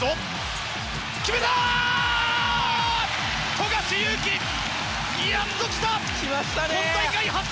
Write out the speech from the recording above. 富樫勇樹、やっと来た！